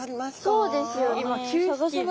そうですよね。